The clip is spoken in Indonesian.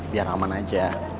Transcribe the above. biar aman aja